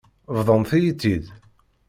Bḍant-iyi-tt-id.